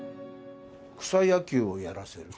「草野球をやらせる」